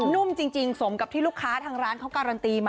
นุ่มจริงสมกับที่ลูกค้าทางร้านเขาการันตีมา